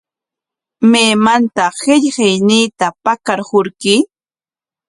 ¿Maymantaq qillqayniita pakarqurki?